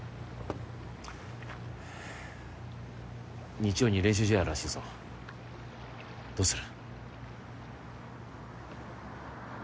日曜に練習試合あるらしいぞどうする？